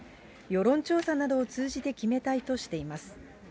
世論調査などを通じて決めたいとしています。